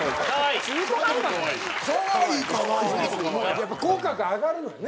やっぱ口角が上がるのよね